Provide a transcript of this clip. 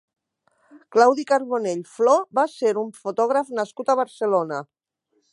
Claudi Carbonell Flo va ser un fotògraf nascut a Barcelona.